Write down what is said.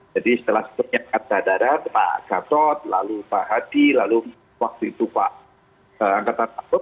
jadi setelah penyakit dadara pak gatot lalu pak hadi lalu waktu itu pak angkatan pakot